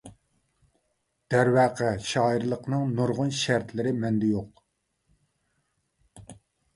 دەرۋەقە، شائىرلىقنىڭ نۇرغۇن شەرتلىرى مەندە يوق.